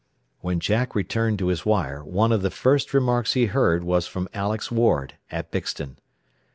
When Jack returned to his wire one of the first remarks he heard was from Alex Ward, at Bixton.